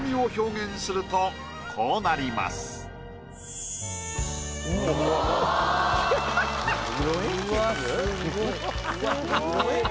すごい。